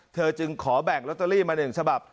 จึงขอแบ่งลอตเตอรี่มา๑ฉบับ